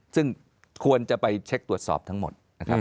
ซึ่งควรจะไปเช็คตรวจสอบทั้งหมด